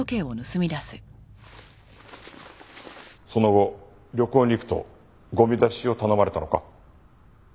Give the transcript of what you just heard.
その後旅行に行くとゴミ出しを頼まれたのか。